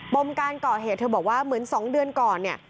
มการก่อเหตุเธอบอกว่าเหมือน๒เดือนก่อนเนี่ย